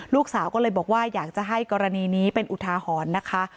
ลูกสาวก็เลยบอกว่าอยากจะให้กรณีนี้เป็นอุทาหรณ์นะคะ